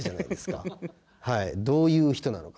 どういう人なのか。